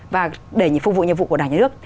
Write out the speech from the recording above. và để phục vụ nhiệm vụ của đảng nhà nước